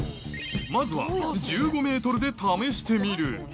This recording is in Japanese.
まずは１５ｍで試してみる